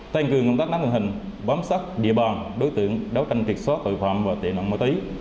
tăng cường công tác nát hình hình bóng sắc địa bàn đối tượng đấu tranh kịch soát tội phạm và tệ nạn ma túy